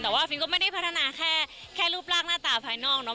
แต่ว่าฟิล์ก็ไม่ได้พัฒนาแค่รูปร่างหน้าตาภายนอกเนาะ